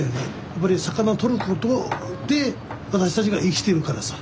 やっぱり魚を取ることで私たちが生きてるからさ。